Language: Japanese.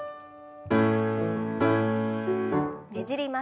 ねじります。